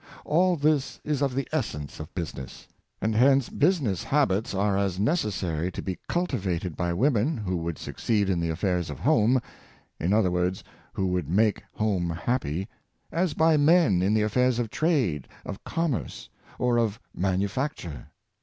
All this is of the essence of business; and hence business habits are as necessary to be cultivated by women who would succeed in the affairs of home — in other words, who would make home happy — as by men in the affairs of trade, of commerce, or of manu facture.